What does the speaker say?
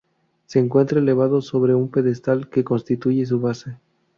Se encuentra elevado sobre un pedestal que constituye su base.